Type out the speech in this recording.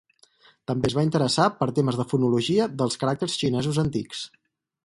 També es va interessar per temes de fonologia dels caràcters xinesos antics.